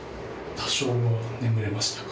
多少は眠れましたか？